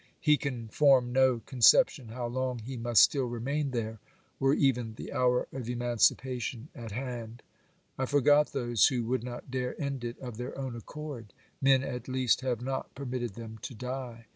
He can form no conception how long he must still remain there, were even the hour of emancipation at hand ! I forgot those who would not dare end it of their own accord : men at least have not permitted them to die.